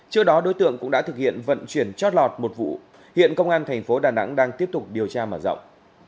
trước đó đối tượng cũng đã thực hiện vận chuyển chót lọt một vụ hiện công an thành phố đà nẵng đang tiếp tục điều tra mở rộng